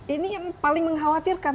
ini yang paling mengkhawatirkan